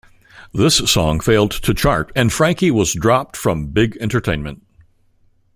This song failed to chart, and Frankee was dropped from Big Entertainment.